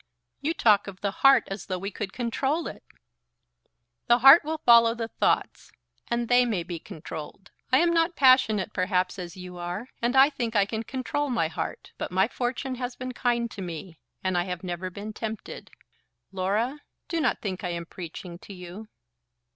"You talk of the heart as though we could control it." "The heart will follow the thoughts, and they may be controlled. I am not passionate, perhaps, as you are, and I think I can control my heart. But my fortune has been kind to me, and I have never been tempted. Laura, do not think I am preaching to you."